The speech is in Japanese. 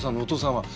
お父さん！